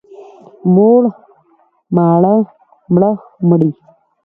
موړ، ماړه، مړه، مړې.